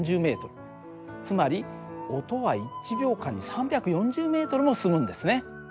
つまり音は１秒間に３４０ｍも進むんですね。